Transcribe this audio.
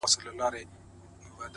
• مسافر مه وژنې خاونده,